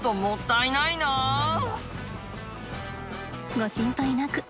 ご心配なく。